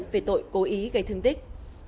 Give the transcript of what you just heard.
về tội cố ý gây thương tích